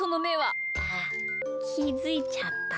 あっきづいちゃった？